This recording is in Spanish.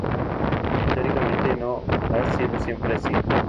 Históricamente no ha sido siempre así.